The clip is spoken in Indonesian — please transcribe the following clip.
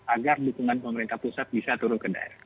agar dukungan pemerintah pusat bisa turun ke daerah